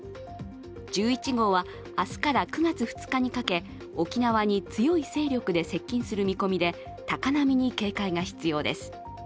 １１号は明日から９月２日にかけ沖縄に強い勢力で接近する見込みで、高波に警戒が必要です。